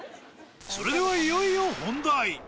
それではいよいよ本題。